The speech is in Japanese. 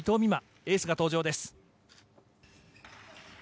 エースの登場です。